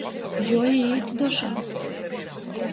Juoīīt dušā.